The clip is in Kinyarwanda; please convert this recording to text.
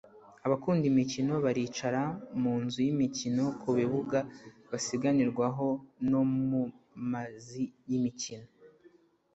Abakunda imikino baricara mu nzu y'imikino, ku bibuga basiganirwaho no mu mazLi y'imikino.